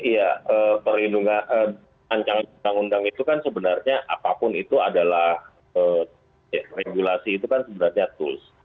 ya perlindungan ancang undang undang itu kan sebenarnya apapun itu adalah regulasi itu kan sebenarnya tools